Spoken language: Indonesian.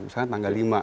misalkan tanggal lima